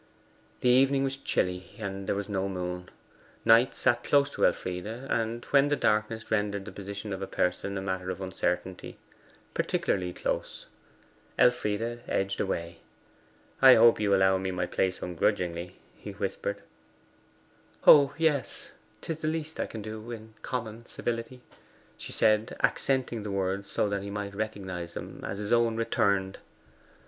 The evening was chilly, and there was no moon. Knight sat close to Elfride, and, when the darkness rendered the position of a person a matter of uncertainty, particularly close. Elfride edged away. 'I hope you allow me my place ungrudgingly?' he whispered. 'Oh yes; 'tis the least I can do in common civility,' she said, accenting the words so that he might recognize them as his own returned.